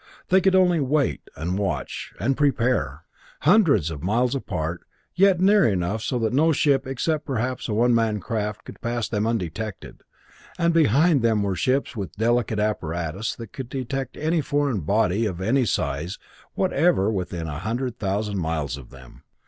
They could only wait and watch and prepare! Hundreds of miles apart, yet near enough so that no ship except perhaps a one man craft could pass them undetected; and behind them were ships with delicate apparatus that could detect any foreign body of any size whatever within a hundred thousand miles of them.